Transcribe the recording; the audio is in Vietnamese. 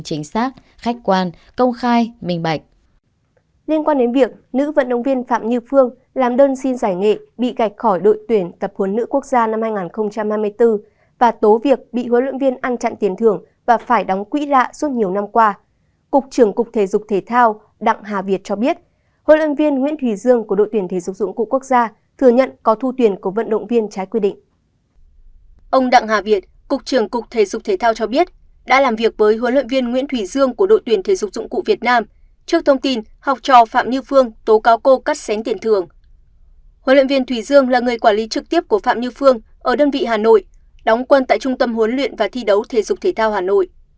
hlv thủy dương là người quản lý trực tiếp của phạm như phương ở đơn vị hà nội đóng quân tại trung tâm huấn luyện và thi đấu thể dục thể thao hà nội